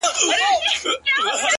اوس چي زه ليري بل وطن كي يمه!